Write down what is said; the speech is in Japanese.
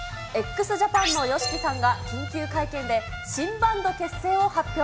ＸＪＡＰＡＮのＹＯＳＨＩＫＩさんが緊急会見で、新バンド結成を発表。